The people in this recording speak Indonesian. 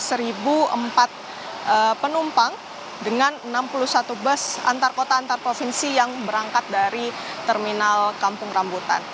jadi ini adalah jumlah penumpang dengan enam puluh satu bus antar kota antar provinsi yang berangkat dari terminal kampung rambutan